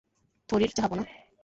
থরির, জাহাঁপনা।